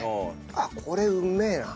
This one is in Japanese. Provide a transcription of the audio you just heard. あっこれうめえな。